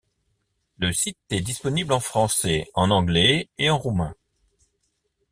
Le site est disponible en français, en anglais et en roumain.